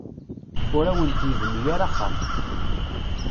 Ur awent-yebni ara axxam.